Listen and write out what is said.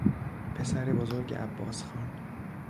پسر بزرگ عباسخان